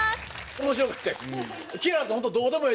面白かったです。